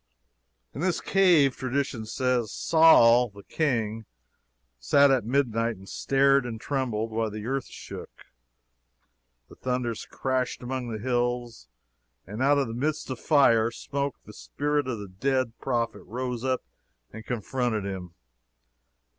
In this cavern, tradition says, Saul, the king, sat at midnight, and stared and trembled, while the earth shook, the thunders crashed among the hills, and out of the midst of fire and smoke the spirit of the dead prophet rose up and confronted him.